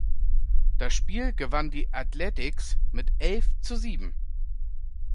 Das Spiel gewannen die Athletics mit elf zu sieben.